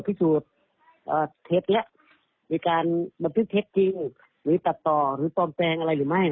พิสูจน์เท็จแล้วมีการบันทึกเท็จจริงหรือตัดต่อหรือปลอมแปลงอะไรหรือไม่